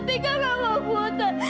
tika nggak mau buta